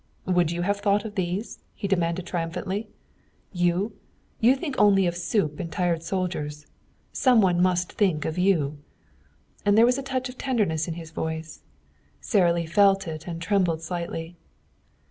"Would you have thought of these?" he demanded triumphantly. "You you think only of soup and tired soldiers. Some one must think of you." And there was a touch of tenderness in his voice. Sara Lee felt it and trembled slightly.